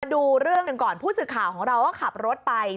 ดูเรื่องหนึ่งก่อนผู้สื่อข่าวของเราก็ขับรถไป